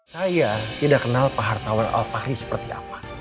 saya tidak kenal pak hartawan alfahri seperti apa